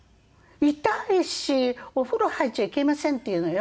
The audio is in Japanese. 痛いし「お風呂入っちゃいけません」って言うのよ。